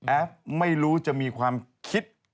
แอฟไม่รู้จะมีความคิด